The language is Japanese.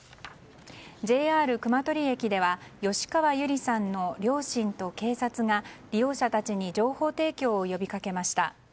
ＪＲ熊取駅では吉川友梨さんの両親と警察が利用者たちに情報提供を呼びかけました。